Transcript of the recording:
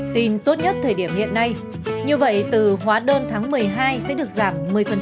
tin tốt nhất thời điểm hiện nay như vậy từ hóa đơn tháng một mươi hai sẽ được giảm một mươi